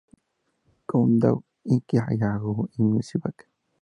Countdown", "Inkigayo" y "Music Bank".